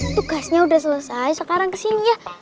tugasnya udah selesai sekarang kesini ya